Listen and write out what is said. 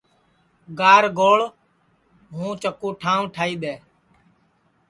گر گھوݪ ہوں چکُو ٹھانٚو ٹھائی دؔے